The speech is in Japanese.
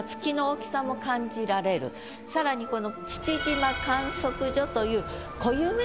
さらにこの。